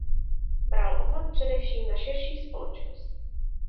Bral ohled především na širší společnost.